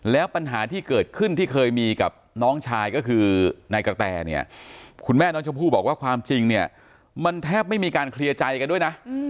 แล้วปัญหาที่เกิดขึ้นที่เคยมีกับน้องชายก็คือนายกระแตเนี่ยคุณแม่น้องชมพู่บอกว่าความจริงเนี่ยมันแทบไม่มีการเคลียร์ใจกันด้วยนะ